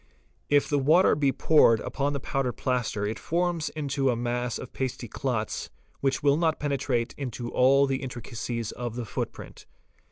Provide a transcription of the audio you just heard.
If the water be poured upon the powdered plaster it forms into a mass of pasty clots which will not penetrate into all the intricacies of the footprint.